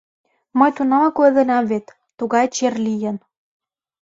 Мый тунамак ойленам вет, тугай чер лийын.